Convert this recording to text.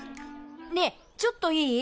ねえちょっといい？